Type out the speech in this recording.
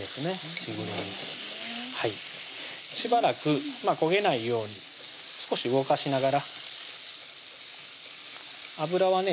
しぐれ煮ふんしばらく焦げないように少し動かしながら油はね